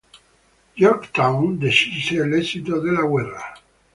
Yorktown decise l'esito della guerra.